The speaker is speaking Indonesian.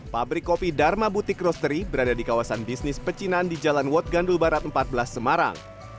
pabrik kopi dharma butik rosteri berada di kawasan bisnis pecinan di jalan wat gandul barat empat belas semarang